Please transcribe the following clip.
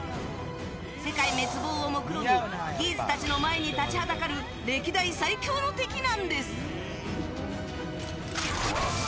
世界滅亡をもくろみギーツたちの前に立ちはだかる歴代最強の敵なんです。